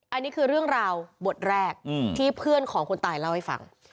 อันนี้คือเรื่องราวบทแรกที่เพื่อนของคนตายเล่าให้ฟัง